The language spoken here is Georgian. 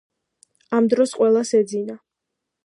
ამ დროს ყველას ეძინა.